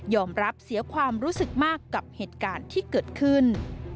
รับเสียความรู้สึกมากกับเหตุการณ์ที่เกิดขึ้น